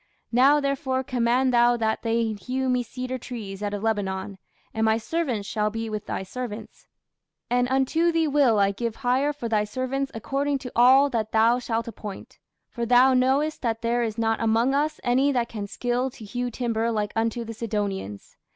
Now therefore command thou that they hew me cedar trees out of Lebanon; and my servants shall be with thy servants: and unto thee will I give hire for thy servants according to all that thou shalt appoint: for thou knowest that there is not among us any that can skill to hew timber like unto the Sidonians.